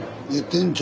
店長？